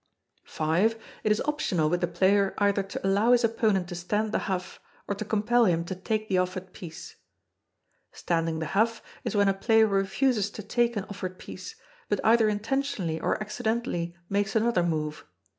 ] v. It is optional with the player either to allow his opponent to stand the huff, or to compel him to take the offered piece. ["Standing the huff" is when a player refuses to take an offered piece, but either intentionally or accidentally makes another move.